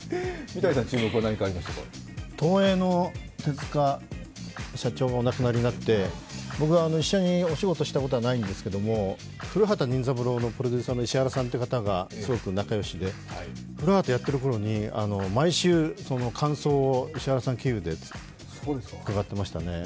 東映の手塚社長がお亡くなりになって、僕は一緒にお仕事したことはないんですけど、「古畑任三郎」のプロデューサーの石原さんという方がすごく仲良しで、「古畑」をやっているころに毎週、感想を石原さん経由で伺っていましたね。